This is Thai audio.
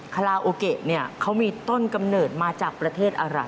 คาราโอเกะเนี่ยเขามีต้นกำเนิดมาจากประเทศอะไร